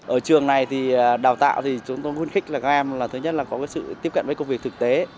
ở trường này thì đào tạo thì chúng tôi vui khích là các em là thứ nhất là có sự tiếp cận với công việc thực tế